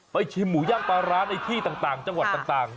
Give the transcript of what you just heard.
ชิมหมูย่างปลาร้าในที่ต่างจังหวัดต่าง